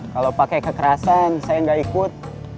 kalau pakai kekerasan saya nggak ikut